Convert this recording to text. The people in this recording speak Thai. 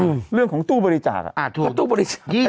อืมเรื่องของตู้บริจาคอ่ะอ่าถูกตู้บริจาคอืม